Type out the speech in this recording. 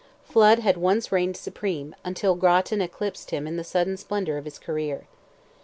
Flood had once reigned supreme, until Grattan eclipsed him in the sudden splendour of his career.